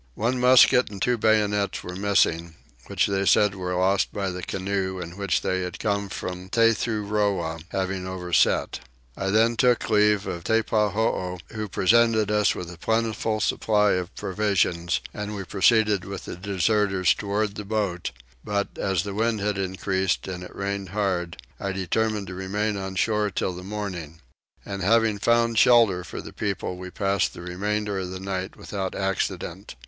One musket and two bayonets were missing, which they said were lost by the canoe in which they came from Tethuroa having overset. I then took leave of Teppahoo who presented us with a plentiful supply of provisions, and we proceeded with the deserters towards the boat but, as the wind had increased and it rained hard, I determined to remain on shore till the morning; and having found shelter for the people we passed the remainder of the night without accident.